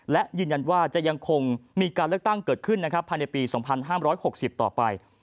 และยืนยันว่าจะยังคงมีการเลือกตั้งเกิดขึ้นนะครับภายในปี๒๕๖๐ต่อไป